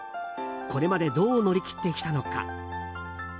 これまでどう乗り切ってきたのか。